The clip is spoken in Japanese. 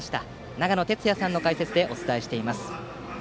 長野哲也さんの解説でお伝えしています。